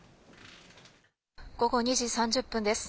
午後２時３０分です。